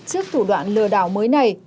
trước thủ đoạn lừa đảo mới này